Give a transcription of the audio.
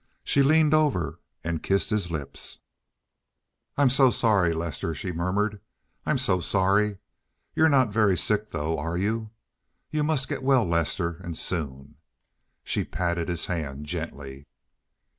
She leaned over and kissed his lips. "I'm so sorry, Lester," she murmured. "I'm so sorry. You're not very sick though, are you? You must get well, Lester—and soon!" She patted his hand gently.